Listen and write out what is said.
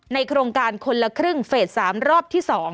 โครงการคนละครึ่งเฟส๓รอบที่๒